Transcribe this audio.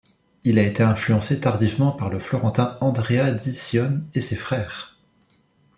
Il a été influencé tardivement par le Florentin Andrea di Cione et ses frères.